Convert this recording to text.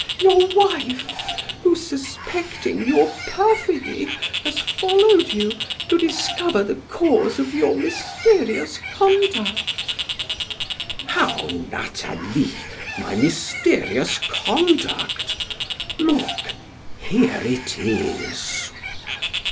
"Your wife who, suspecting your perfidy, has followed you, to discover the cause of your mysterious conduct!" "How, Nathalie, my mysterious conduct? Look, here it is!"